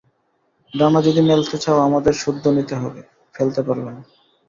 ডানা যদি মেলতে চাও আমাদের সুদ্ধু নিতে হবে, ফেলতে পারবে না।